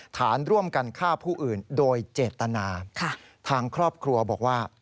ฐานร่วมกันฆ่าผู้อื่นโดยเจตนาทางครอบครัวบอกว่า